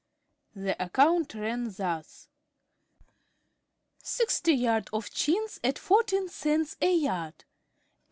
The account ran thus: Sixty yards of chintz at 14 cents a yard $8.